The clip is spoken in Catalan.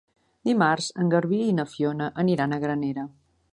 Dimarts en Garbí i na Fiona aniran a Granera.